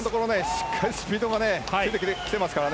しっかりスピードがついてきてますからね。